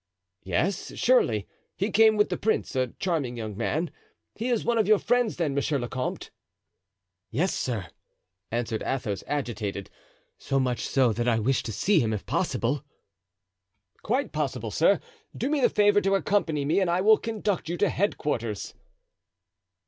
"Yes, surely, he came with the prince; a charming young man; he is one of your friends then, monsieur le comte?" "Yes, sir," answered Athos, agitated; "so much so that I wish to see him if possible." "Quite possible, sir; do me the favor to accompany me and I will conduct you to headquarters."